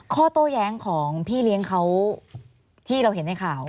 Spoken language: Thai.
โต้แย้งของพี่เลี้ยงเขาที่เราเห็นในข่าว